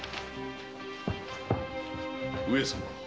上様。